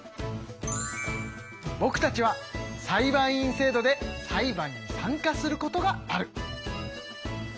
ぼくたちは裁判員制度で裁判に参加することがある。